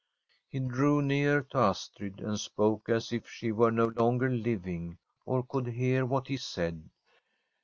He drew nearer to Astrid, and spoke as if she were no longer living or could hear what he said.